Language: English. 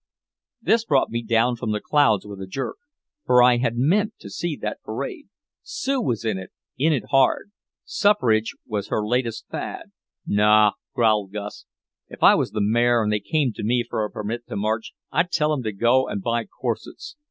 This brought me down from the clouds with a jerk. For I had meant to see that parade. Sue was in it, in it hard. Suffrage was her latest fad. "Naw," growled Gus. "If I was the mayor and they came to me for a permit to march I'd tell 'em to go and buy corsets.